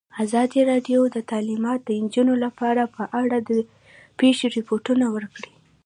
ازادي راډیو د تعلیمات د نجونو لپاره په اړه د پېښو رپوټونه ورکړي.